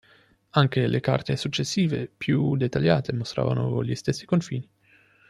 Anche le carte successive più dettagliate mostravano gli stessi confini.